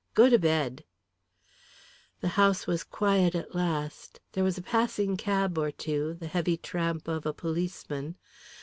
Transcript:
Go to bed." The house was quiet at last, there was a passing cab or two, the heavy tramp of a policeman.